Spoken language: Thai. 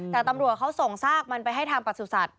แต่ตำรวจเขาส่งซากมันไปให้ทางประสูจน์สัตว์